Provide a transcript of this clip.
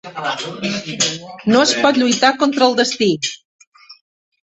No es pot lluitar contra el destí.